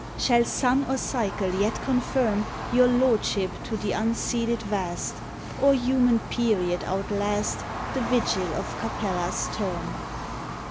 Shall sun or cycle yet confirm Your lordship to the unceded Vast, Or human period outlast The vigil of Capella's term?